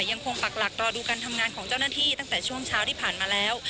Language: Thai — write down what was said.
ปักหลักรอดูการทำงานของเจ้าหน้าที่ตั้งแต่ช่วงเช้าที่ผ่านมาแล้ว